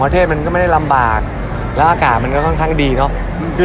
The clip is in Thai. มาเทศมันก็ไม่ได้ราบบาตแล้วอากาศมันก็ค่อนข้างดีเนาะคือ